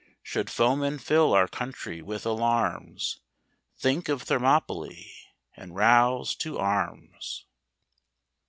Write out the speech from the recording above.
Should foemen fill our country with alarms, Think of Thermopylae, and rouse to arms.